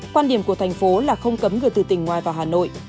quan điểm của thành phố là không cấm người từ tỉnh ngoài vào hà nội